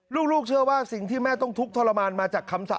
ลูกเชื่อว่าสิ่งที่แม่ต้องทุกข์ทรมานมาจากคำสั่ง